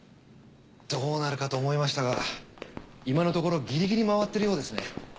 どうなるかと思いましたが今のところギリギリ回ってるようですね。